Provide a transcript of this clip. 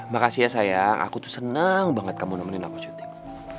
makasih ya sayang aku tuh senang banget kamu nemenin aku syuting